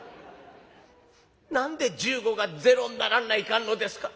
「何で１５が０にならんないかんのですか。